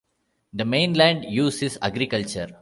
The main land use is agriculture.